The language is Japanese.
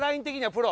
プロ。